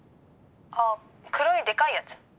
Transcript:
黒いでかいやつ？